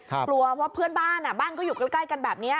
กลัวเพราะเพื่อนบ้านบ้านก็อยู่ใกล้กันแบบนี้